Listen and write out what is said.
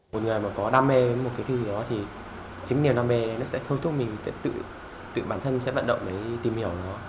một người mà có đam mê với một cái thứ gì đó thì chính niềm đam mê nó sẽ thôi thúc mình tự bản thân sẽ vận động để tìm hiểu nó